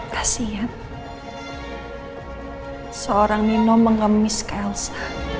kasihan seorang mino mengemis ke elsa